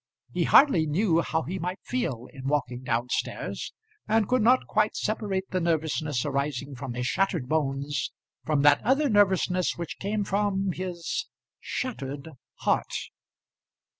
He hardly knew how he might feel in walking down stairs, and could not quite separate the nervousness arising from his shattered bones from that other nervousness which came from his shattered heart.